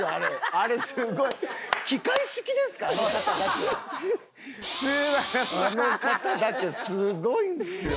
あの方だけすごいんですよ。